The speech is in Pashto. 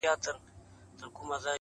چي دولتمند یې که دربدر یې؛